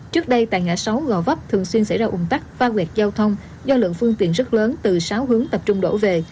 trước đây tại ngã sáu gò vấp thường xuyên xảy ra ủng tắc va quyệt giao thông do lượng phương tiện rất lớn từ sáu hướng tập trung đổ về